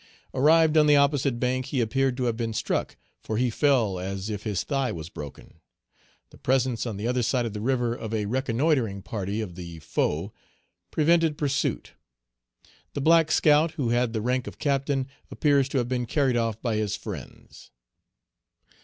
Arrived on the opposite bank, he appeared to have been struck, for he fell as if his thigh was broken. The presence on the other side of the river of a reconnoitring party of the foe prevented pursuit. The black scout, who had the rank of captain, appears to have been carried off by his friends.